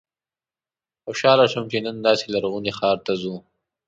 خوشاله شوم چې نن داسې لرغوني ښار ته ځو.